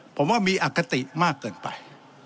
ผมว่ามีอคติมากเกินไป